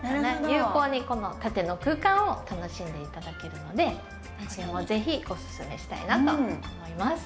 有効にこの縦の空間を楽しんで頂けるので是非おすすめしたいなと思います。